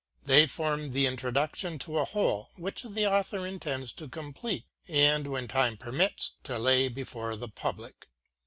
They form the introduction to a whole which the Author intends to complete, and, when time permits, to lay before the public.